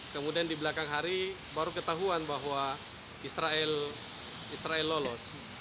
kemudian di belakang hari baru ketahuan bahwa israel lolos